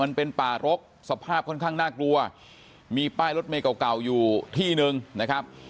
มันเป็นป่ารกสภาพค่อนข้างน่ากลัวมีป้ายรถเมย์เก่าเก่าอยู่ที่หนึ่งนะครับ